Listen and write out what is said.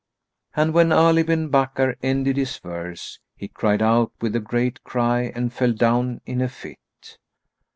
And when Ali bin Bakkar ended his verse, he cried out with a great cry and fell down in a fit.